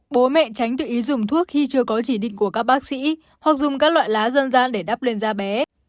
bố mẹ tránh tự ý dùng thuốc khi chưa có chỉ định của các bác sĩ hoặc dùng các loại lá dân gian để đắp lên da bé